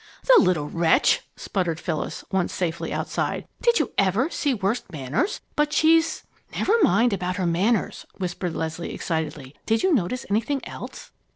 "The little wretch!" sputtered Phyllis, once safely outside. "Did you ever see worse manners? But she's " "Never mind about her manners!" whispered Leslie, excitedly. "Did you notice anything else?"